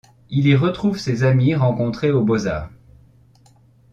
Il y retrouve ses amis rencontrés aux Beaux-Arts.